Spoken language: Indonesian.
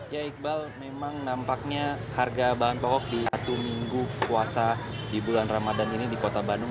ya iqbal memang nampaknya harga bahan pokok di satu minggu puasa di bulan ramadan ini di kota bandung